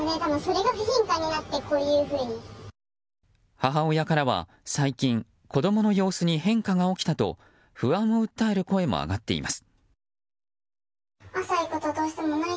母親からは最近、子供の様子に変化が起きたと不安を訴える声も上がっています。